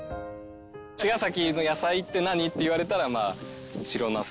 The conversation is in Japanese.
「茅ヶ崎の野菜って何？」って言われたらまあ白ナス。